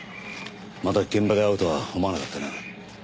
また現場で会うとは思わなかったな。